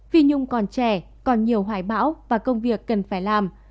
phi nhung còn trẻ còn nhiều hoài bão và công việc cần phải làm